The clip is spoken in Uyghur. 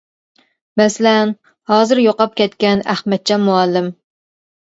مەسىلەن، ھازىر يوقاپ كەتكەن ئەخمەتجان مۇئەللىم.